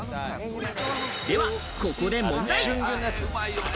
では、ここで問題。